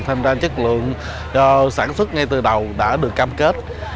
tham gia chất lượng sản xuất ngay từ đầu đã được cam kết